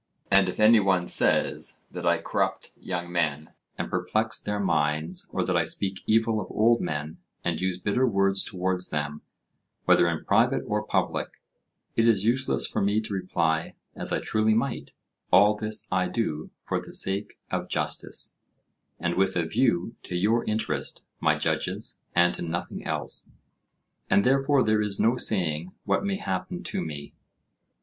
And if any one says that I corrupt young men, and perplex their minds, or that I speak evil of old men, and use bitter words towards them, whether in private or public, it is useless for me to reply, as I truly might:—"All this I do for the sake of justice, and with a view to your interest, my judges, and to nothing else." And therefore there is no saying what may happen to me.